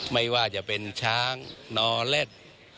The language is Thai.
ไม่ว่าจะเป็นช้างนอเล็ด